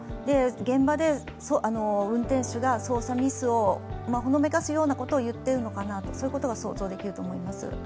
現場で運転手が操作ミスをほのめかすようなことを言ってるのかな、そういうことが想像できると思います。